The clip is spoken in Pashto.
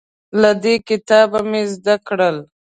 له دې کتابه مې زده کړل